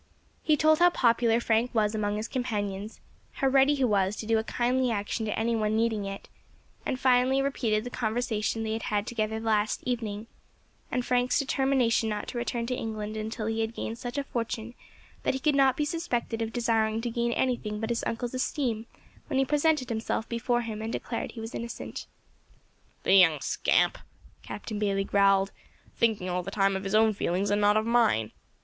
He told how popular Frank was among his companions, how ready he was to do a kindly action to any one needing it, and finally repeated the conversation they had had together the last evening, and Frank's determination not to return to England until he had gained such a fortune that he could not be suspected of desiring to gain anything but his uncle's esteem when he presented himself before him and declared he was innocent. "The young scamp," Captain Bayley growled, "thinking all the time of his own feelings and not of mine.